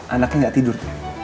anaknya gak tidur